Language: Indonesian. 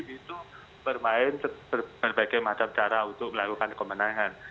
itu bermain berbagai macam cara untuk melakukan kemenangan